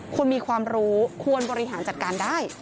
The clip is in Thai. คนมีความรู้ควรบริหารจัดการได้